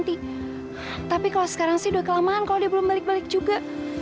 tapi kalau sekarang sih udah kelamaan kalau dia belum balik balik juga